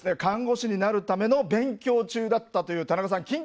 看護師になるための勉強中だったという田中さん。